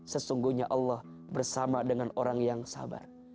sesungguhnya allah bersama dengan orang yang sabar